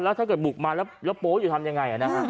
ถ้าเกิดบุกมาแล้วโป๊อยู่ทำยังไง